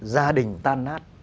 gia đình tan nát